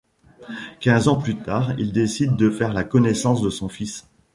Quinze ans plus tard, il décide de faire la connaissance de son fils.